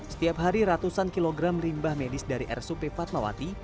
setiap hari ratusan kilogram limbah medis dari rsup fatmawati